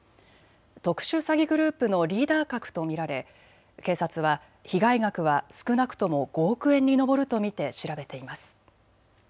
特殊詐欺グループのリーダー格と見られ警察は被害額は少なくとも５億円に上ると見て調べています。